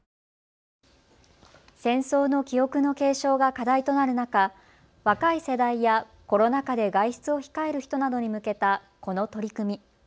戦争の記憶の継承が課題となる中、若い世代やコロナ禍で外出を控える人などに向けたこの取り組み。